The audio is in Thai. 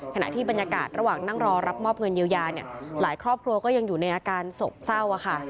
ขณะที่บรรยากาศระหว่างนั่งรอรับมอบเงินเยียวยาเนี่ยหลายครอบครัวก็ยังอยู่ในอาการโศกเศร้าค่ะ